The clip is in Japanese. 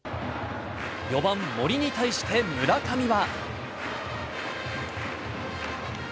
４番森に対して、村上は。